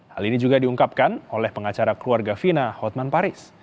hal ini juga diungkapkan oleh pengacara keluarga fina hotman paris